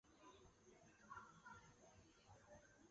再被秦桧弹劾落职。